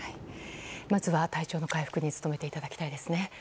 まずは体調の回復に努めていただきたいですね。